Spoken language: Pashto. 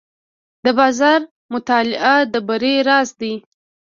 د بازار مطالعه د بری راز دی.